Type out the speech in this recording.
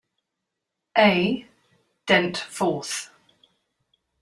A. Dent fourth.